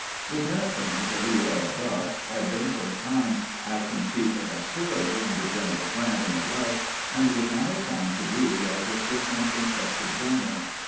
Lieutenant colonel W. L. Duff had been for a time acting chief of artillery under General Grant in the West, and was now assigned to duty as assistant in spector general.